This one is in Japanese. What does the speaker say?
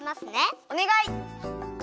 おねがい！